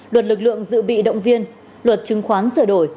luật lực lượng dự bị động viên luật chứng khoán sửa đổi